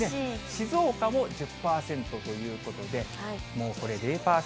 静岡も１０％ということで、もうこれ、０％。